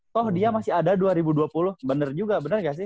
toh dia masih ada dua ribu dua puluh bener juga bener gak sih